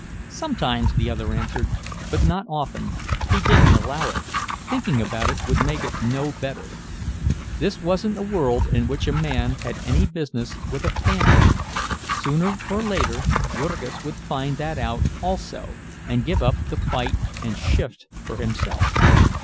Sometimes, the other answered, but not often—he didn't allow it. Thinking about it would make it no better. This wasn't a world in which a man had any business with a family; sooner or later Jurgis would find that out also, and give up the fight and shift for himself.